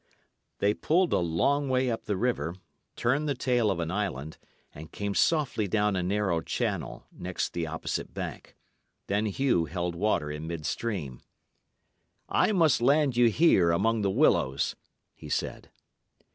They pulled a long way up the river, turned the tail of an island, and came softly down a narrow channel next the opposite bank. Then Hugh held water in midstream. "I must land you here among the willows," he said.